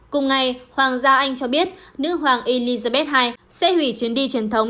cùng ngày hoàng gia anh cho biết nữ hoàng elizabeth ii sẽ hủy chuyến đi truyền thống